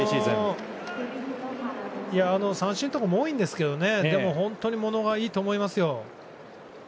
三振とかも多いんですけどでも、本当に物はいいと思いますよ。